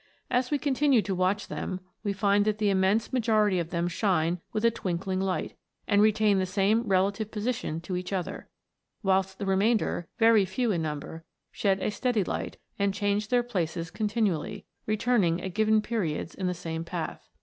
As we continue to watch them we find that the immense majority of them shine with a twinkling light, and retain the same relative posi tion to each other, whilst the remainder, very few in number, shed a steady light, and change their places continually, returning at given periods in the same path.